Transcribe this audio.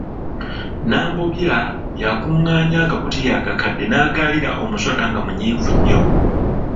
Nambobya yakunganya agakutiya agakadde naagalira omusota nga munyiivu nnyo.